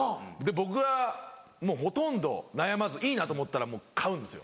僕はもうほとんど悩まずいいなと思ったら買うんですよ。